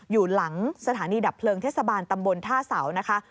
อยู่หลังสถานีดับเพลิงเทศบาลตำบลท่าเสานะคะ